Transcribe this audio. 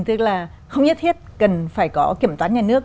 tức là không nhất thiết cần phải có kiểm toán nhà nước